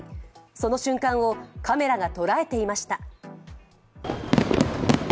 その瞬間をカメラが捉えていました。